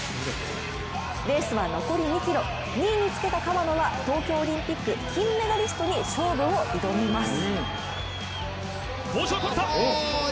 レースは残り２ｋｍ、２位につけた川野は東京オリンピック金メダリストに勝負を挑みます。